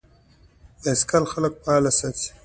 بایسکل خلک فعال ساتي.